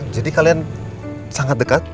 jadi kalian sangat dekat